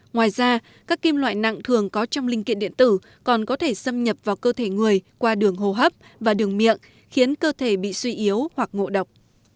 ngoài ra các kim loại nặng thường có trong linh kiện điện tử còn có thể xâm nhập vào cơ thể người qua đường hô hấp và đường miệng khiến cơ thể bị suy yếu hoặc ngộ độc